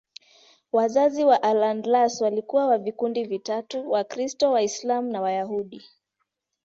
Wakazi wa Al-Andalus walikuwa wa vikundi vitatu: Wakristo, Waislamu na Wayahudi.